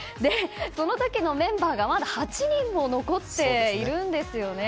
その時のメンバーがまだ８人残っているんです。